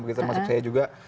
begitu termasuk saya juga